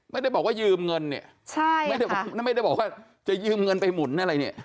ไม่ได้บอกว่ายืมเงินเนี่ยใช่ไม่ได้บอกว่าจะยืมเงินไปหมุนอะไรเนี่ย